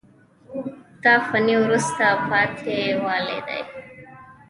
دا فني وروسته پاتې والی ده.